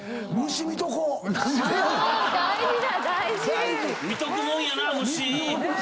虫見とくもんやな。